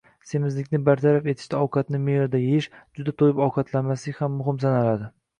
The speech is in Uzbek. Semizlikni bartaraf qilishda ovqatni me’yorida yeyish, juda to‘yib ovqatlanmaslik ham muhim sanaladi.